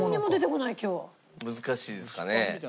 難しいですかね。